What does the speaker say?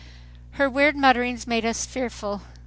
Her weird mutterings made us fearful.